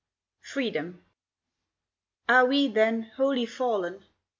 FREEDOM. Are we, then, wholly fallen?